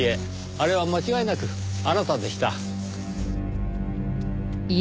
あれは間違いなくあなたでした。